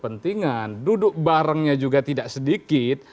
kepentingan duduk barengnya juga tidak sedikit